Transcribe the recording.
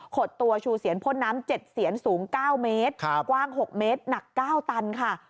ดตัวชูเสียรพ่นน้ำ๗เสียนสูง๙เมตรกว้าง๖เมตรหนัก๙ตันค่ะ